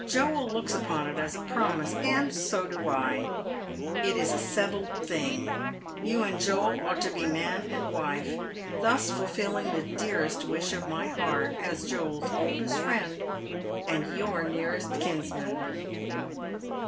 Joel looks upon it as a promise, and 80 do I. It is a settled thing. You and Joel are to be man and wife, thus fulfilling the dearest wish of my heart, as Joel's oldest friend and your nearest kinsman.